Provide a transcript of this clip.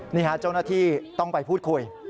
นี่ฮะเจ้าหน้าที่ต้องไปพูดคุย